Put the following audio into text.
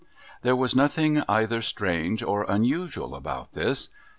There was nothing either strange or unusual about this.